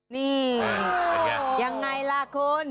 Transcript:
นี่ยังไงล่ะคุณ